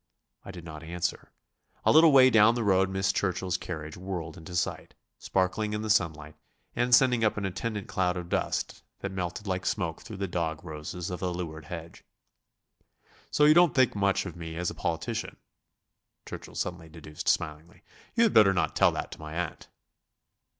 I did not answer. A little way down the road Miss Churchill's carriage whirled into sight, sparkling in the sunlight, and sending up an attendant cloud of dust that melted like smoke through the dog roses of the leeward hedge. "So you don't think much of me as a politician," Churchill suddenly deduced smilingly. "You had better not tell that to my aunt."